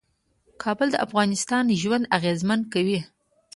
کابل د افغانانو ژوند اغېزمن کوي.